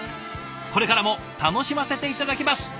これからも楽しませて頂きます。